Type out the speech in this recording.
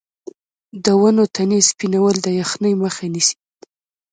د ونو تنې سپینول د یخنۍ مخه نیسي؟